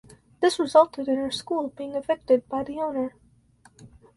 This resulted in her school being evicted by the owner.